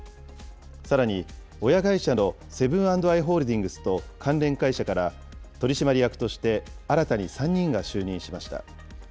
さらに、親会社のセブン＆アイ・ホールディングスと関連会社から、取締役として新たに３人が就任しました。